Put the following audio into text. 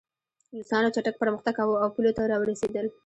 روسانو چټک پرمختګ کاوه او پولو ته راورسېدل